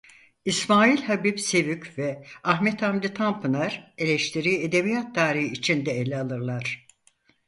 İsmail Habip Sevük ve Ahmet Hamdi Tanpınar eleştiriyi edebiyat tarihi içinde ele alırlar.